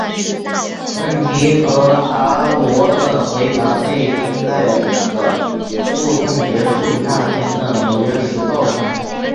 问题和达罗的回答被登在了诉讼结束那天的纽约时报上。